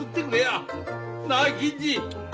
なあ銀次！？